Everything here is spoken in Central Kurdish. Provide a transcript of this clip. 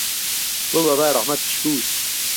گوڵ به بای ڕهحمهت پشکووت